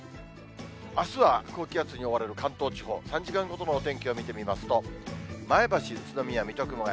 あすは高気圧に覆われる関東地方、３時間ごとのお天気を見てみますと、前橋、宇都宮、水戸、熊谷。